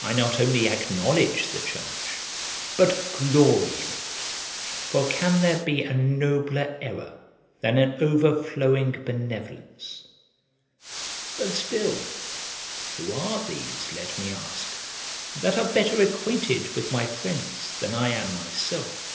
I not only acknowledge the charge, but glory in it; for can there be a nobler error than an overflowing benevolence? But still, who are these, let me ask, that are better acquainted with my friends than I am myself?